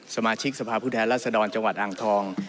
สมาชิกสภาพุทธแหละสดรจังหวัดอ่างทอง